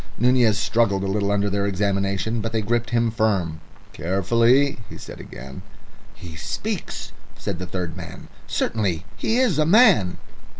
Nunez struggled a little under their examination, but they gripped him firm. "Carefully," he said again. "He speaks," said the third man. "Certainly he is a man."